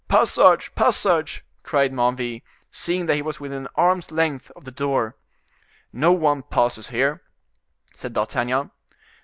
"Passage, passage!" cried Menneville, seeing that he was within an arm's length from the door. "No one passes here," said D'Artagnan.